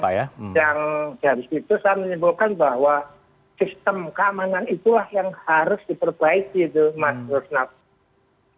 yang dari situ saya menyimpulkan bahwa sistem keamanan itulah yang harus diperbaiki itu mas rusnap